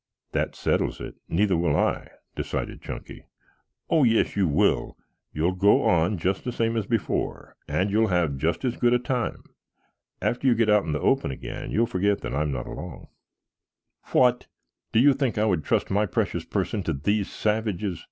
"That settles it. Neither will I," decided Chunky. "Oh, yes you will. You will go on just the same as before, and you will have just as good a time. After you get out into the open again you'll forget that I am not along." "What! Do you think I would trust my precious person to these savages?"